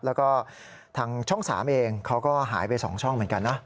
แล้วก็ทางช่อง๓เองเขาก็หายไป๒ช่องเหมือนกันนะ